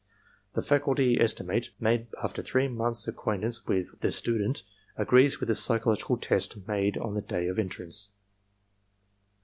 The faculty estimate, made after three months' ac quaintance with tne student, agrees with the psychological test made on the day of entrance.